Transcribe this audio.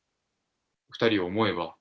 ２人を思えば。